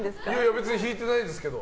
別に引いてないですけど。